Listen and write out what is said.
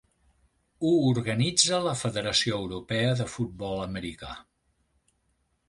Ho organitza la Federació Europea de Futbol Americà.